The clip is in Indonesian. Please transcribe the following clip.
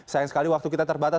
sayang sekali waktu kita terbatas